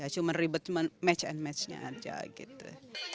cuma ribet match and matchnya aja gitu